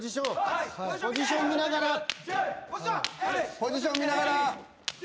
ポジション見ながら。